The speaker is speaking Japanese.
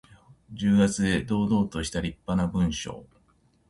重厚で堂々としたりっぱな文章。